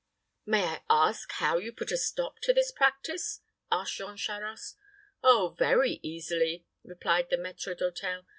"May I ask how you put a stop to this practice?" asked Jean Charost. "Oh, very easily," replied the maître d'hôtel.